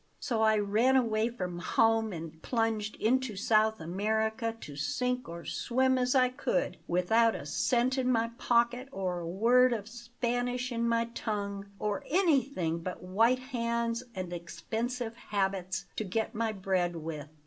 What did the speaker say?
So I ran away from home and plunged into South America to sink or swim as I could, without a cent in my pocket or a word of Spanish in my tongue, or anything but white hands and expensive habits to get my bread with.